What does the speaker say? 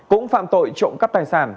cũng phạm tội trộm cắp tài sản